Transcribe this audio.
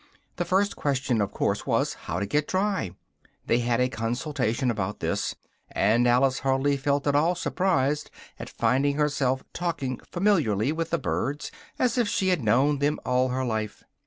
The first question of course was, how to get dry: they had a consultation about this, and Alice hardly felt at all surprised at finding herself talking familiarly with the birds, as if she had known them all her life.